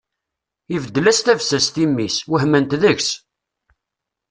Ibeddel-as tabessast i mmi-s, wehment deg-s.